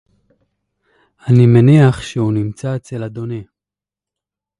אני מניח שהוא נמצא אצל אדוני